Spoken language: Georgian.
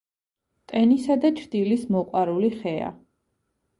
ტენისა და ჩრდილის მოყვარული ხეა.